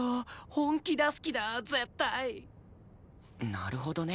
なるほどね。